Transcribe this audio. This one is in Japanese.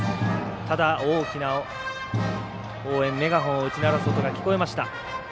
ただ、大きな応援メガホンを打ち鳴らす音が聞こえました。